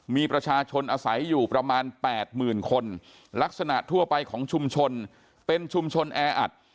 มีประชาชนอาศัยอยู่ประมาณ๘๐๐๐คนลักษณะทั่วไปของชุมชนเป็นชุมชนแออัด